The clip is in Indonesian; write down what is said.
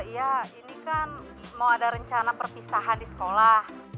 ya ini kan mau ada rencana perpisahan di sekolah